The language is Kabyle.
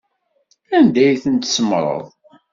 Anda ay ten-tsemmṛeḍ?